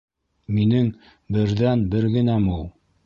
Минең берҙән-бергенәм ул.